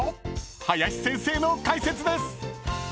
［林先生の解説です！］